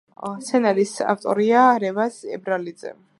სცენარის ავტორია რევაზ ებრალიძე.